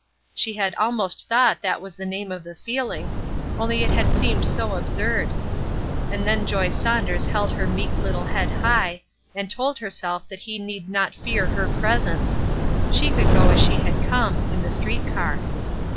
She had almost thought that was the name of the feeling, only it had seemed so absurd. And then Joy Saunders held her meek little head high, and told herself that he need not fear her presence; she could go as she had come, in the street car.